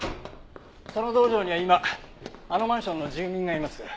その道場には今あのマンションの住人がいます。